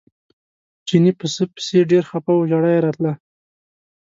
چیني پسه پسې ډېر خپه و ژړا یې راتله.